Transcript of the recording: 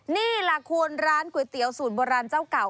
นี่ล่ะคุณร้านก๋วยเตี๋ยวสูตรโบราณเจ้าเก่า